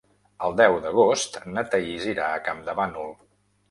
El deu d'agost na Thaís irà a Campdevànol.